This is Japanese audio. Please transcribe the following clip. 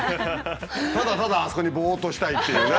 ただただあそこにボッとしたいっていうね。